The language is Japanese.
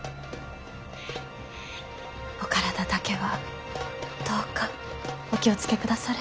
お体だけはどうかお気を付けくだされ。